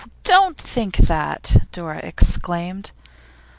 don't think that!' Dora exclaimed.